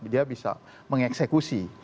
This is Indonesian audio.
dia bisa mengeksekusi